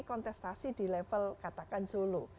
kontestasi di level katakan solo